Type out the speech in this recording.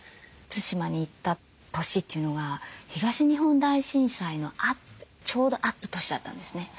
対馬に行った年というのが東日本大震災のちょうどあった年だったんですね。